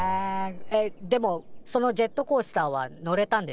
えでもそのジェットコースターは乗れたんでしょ？